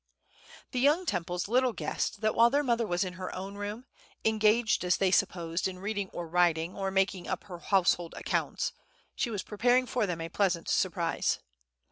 The young Temples little guessed that while their mother was in her own room, engaged, as they supposed, in reading or writing, or making up her household accounts, she was preparing for them a pleasant surprise.